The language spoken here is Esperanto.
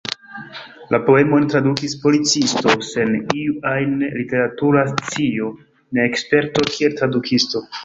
La poemon tradukis policisto sen iu ajn literatura scio nek sperto kiel tradukisto.